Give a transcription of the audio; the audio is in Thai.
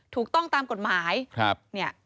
ถูกต้องตามกฎหมาย